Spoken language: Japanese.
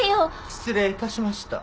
失礼致しました。